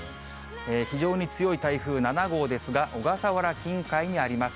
非常に強い台風７号ですが、小笠原近海にあります。